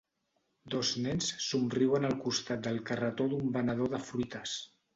Dos nens somriuen al costat del carretó d'un venedor de fruites.